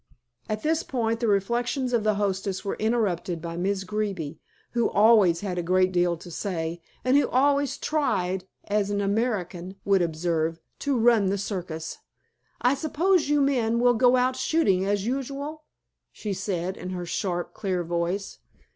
At this point the reflections of the hostess were interrupted by Miss Greeby, who always had a great deal to say, and who always tried, as an American would observe, "to run the circus." "I suppose you men will go out shooting as usual?" she said in her sharp, clear voice.